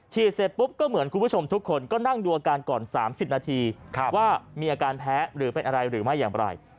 เสร็จปุ๊บก็เหมือนคุณผู้ชมทุกคนก็นั่งดูอาการก่อน๓๐นาทีว่ามีอาการแพ้หรือเป็นอะไรหรือไม่อย่างไร